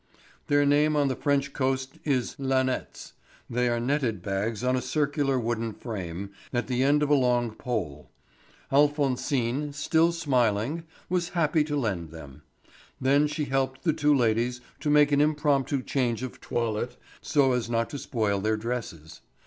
Their name on the French coast is lanets; they are netted bags on a circular wooden frame, at the end of a long pole. Alphonsine, still smiling, was happy to lend them. Then she helped the two ladies to make an impromptu change of toilet, so as not to spoil their dresses.